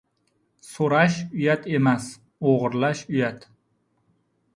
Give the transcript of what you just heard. • So‘rash uyat emas, o‘g‘irlash uyat.